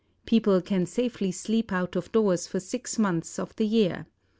People can safely sleep out of doors for six months of the year.